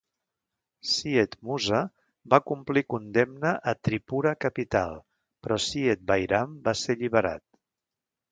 Syed Musa va complir condemna a Tripura capital, però Syed Bairam va ser alliberat.